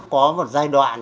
có một giai đoạn